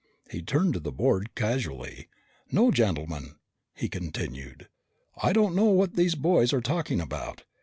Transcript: He turned to the board, casually. "No, gentlemen," he continued, "I don't know what these boys are talking about.